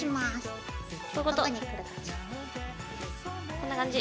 こんな感じ？